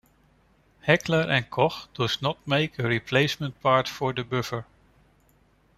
Heckler and Koch does not make a replacement part for the buffer.